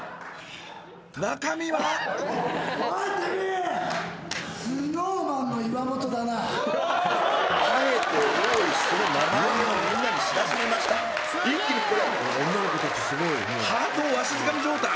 中身はあえて大石その名前をみんなに知らしめました一気にここで女の子達すごいもうハートをわしづかみ状態